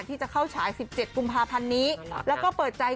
ที่จะเข้าฉาย๑๗กุมภาพันธ์นี้แล้วก็เปิดใจ